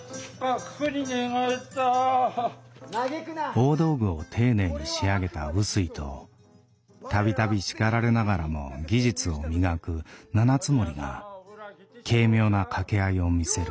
大道具を丁寧に仕上げた臼井と度々叱られながらも技術を磨く七ツ森が軽妙な掛け合いを見せる。